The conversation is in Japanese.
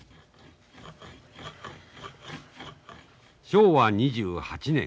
昭和２８年。